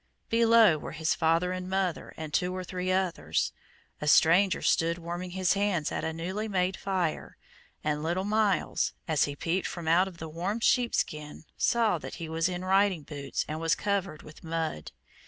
Below were his father and mother and two or three others. A stranger stood warming his hands at a newly made fire, and little Myles, as he peeped from out the warm sheepskin, saw that he was in riding boots and was covered with mud.